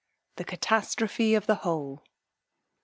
The Catastrophe of the whole.